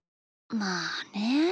まあね。